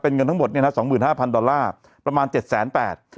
เป็นเงินทั้งหมดเนี่ยนะ๒๕๐๐ดอลลาร์ประมาณ๗๘๐๐บาท